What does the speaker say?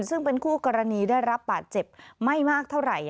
ซึ่งเป็นคู่กรณีได้รับบาดเจ็บไม่มากเท่าไหร่